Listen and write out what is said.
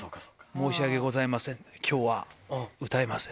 申し訳ございません、きょうは歌えません。